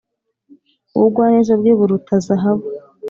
ubugwaneza bwe buruta zahabu